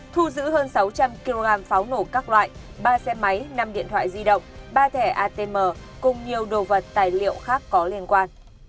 thu giữ hơn sáu trăm linh kg pháo nổ các loại ba xe máy năm điện thoại di động ba thẻ atm cùng nhiều đồ vật tài liệu khác có liên quan